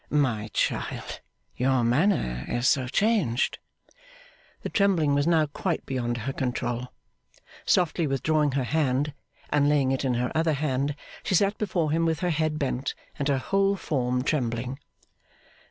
'My child, your manner is so changed!' The trembling was now quite beyond her control. Softly withdrawing her hand, and laying it in her other hand, she sat before him with her head bent and her whole form trembling.